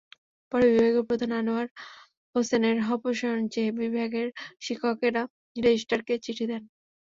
পরে বিভাগীয় প্রধান আনোয়ার হোসেনের অপসারণ চেয়ে বিভাগের শিক্ষকেরা রেজিস্ট্রারকে চিঠি দেন।